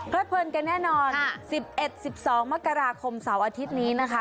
เพลินกันแน่นอน๑๑๑๒มกราคมเสาร์อาทิตย์นี้นะคะ